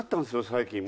最近。